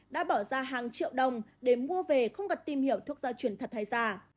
đã bỏ ra hàng triệu đồng để mua về không cần tìm hiểu thuốc gia truyền thật hay già